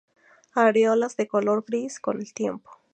Areolas de color gris con el tiempo.